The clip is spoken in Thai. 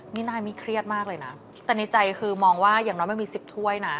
นี่นายมีเครียดมากเลยนะแต่ในใจคือมองว่าอย่างน้อยมันมี๑๐ถ้วยนะ